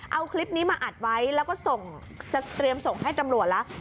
เอาคลิปนี้มาอัดไว้แล้วก็ส่งจะเตรียมส่งให้ตำรวจแล้ว